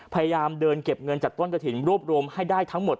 พยายามเดินเก็บเงินจากต้นกระถิ่นรวบรวมให้ได้ทั้งหมด